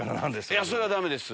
それはダメです。